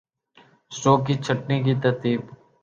stroke کی چھٹنی کی ترتیب